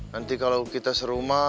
nanti kalau kita serumah